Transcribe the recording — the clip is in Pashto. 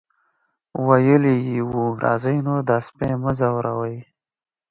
ویلي یې وو راځئ نور دا سپی مه ځوروئ.